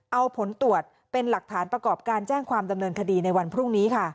เอาผลตรวจเป็นหลักฐานประกอบการแจ้งความดำเนินคดีในวันพรุ่งนี้ค่ะ